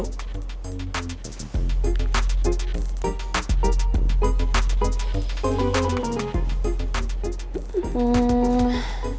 gak ada apa apa